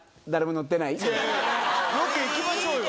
ロケ行きましょうよ。